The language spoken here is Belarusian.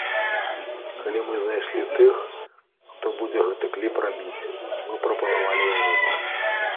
Калі мы знайшлі тых, хто будзе гэты кліп рабіць, мы прапанавалі ім выбар.